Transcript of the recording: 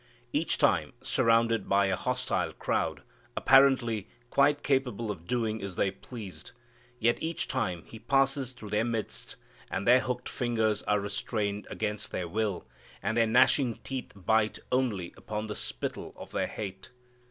Each time surrounded by a hostile crowd, apparently quite capable of doing as they pleased, yet each time He passes through their midst, and their hooked fingers are restrained against their will, and their gnashing teeth bite only upon the spittle of their hate.